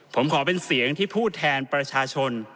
ผมขอเป็นเสียงที่พูดแทนประชาชน